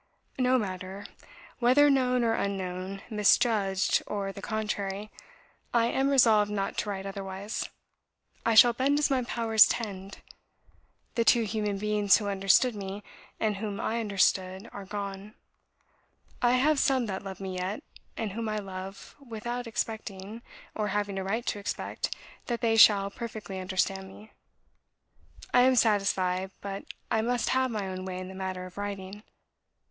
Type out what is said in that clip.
"No matter, whether known or unknown misjudged, or the contrary, I am resolved not to write otherwise. I shall bend as my powers tend. The two human beings who understood me, and whom I understood, are gone: I have some that love me yet, and whom I love, without expecting, or having a right to expect, that they shall perfectly understand me. I am satisfied; but I must have my own way in the matter of writing.